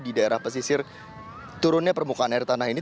di daerah pesisir turunnya permukaan air tanah ini